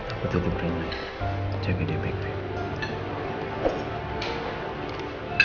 aku tutup rumah jaga dia baik baik